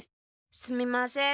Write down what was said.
すみません。